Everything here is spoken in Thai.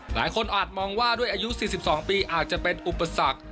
อาจมองว่าด้วยอายุ๔๒ปีอาจจะเป็นอุปสรรค